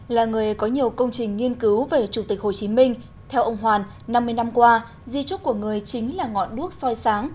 là người có nhiều công trình nghiên cứu về chủ tịch hồ chí minh theo ông hoàn năm mươi năm qua di trúc của người chính là ngọn đuốc soi sáng